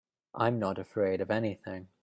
I'm not afraid of anything.